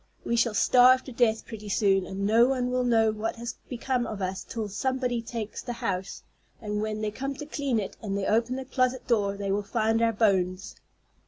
We shall starve to death pretty soon, and no one will know what has become of us till somebody takes the house; and when they come to clean it and they open the closet door, they will find our bones."